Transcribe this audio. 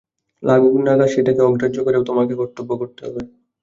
লাগুক-না ঘা, সেটাকে অগ্রাহ্য করেও তোমাকে কর্তব্য করতে হবে।